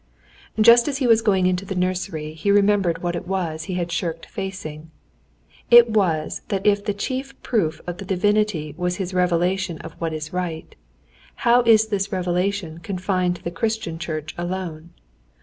Just as he was going into the nursery he remembered what it was he had shirked facing. It was that if the chief proof of the Divinity was His revelation of what is right, how is it this revelation is confined to the Christian church alone?